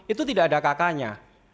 itu tidak ada kk nya